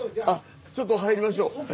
ちょっと入りましょう。